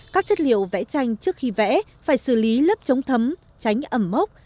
các chất liệu vẽ tranh trước khi vẽ phải xử lý lớp chống thấm tránh ẩm mốc